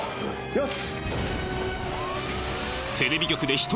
よし！